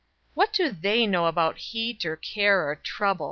"What do they know about heat, or care, or trouble?"